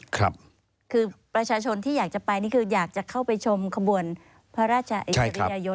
คือประชาชนที่อยากจะไปนี่คืออยากจะเข้าไปชมขบวนพระราชอิสริยยศ